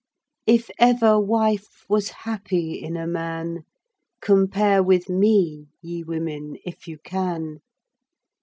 If ever wife was happy in a man, Compare with me, ye women, if you can.